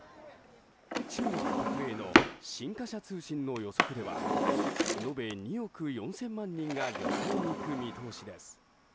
中国国営の新華社通信の予測では延べ２億４０００万人が旅行に行く見通しです。